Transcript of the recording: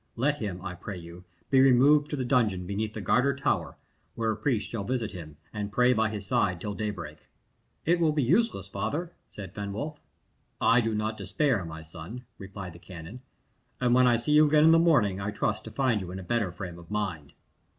Let him, I pray you, be removed to the dungeon beneath the Garter Tower, where a priest shall visit him, and pray by his side till daybreak." "It will be useless, father," said Fenwolf. "I do not despair, my son," replied the canon; "and when I see you again in the morning I trust to find you in a better frame of mind."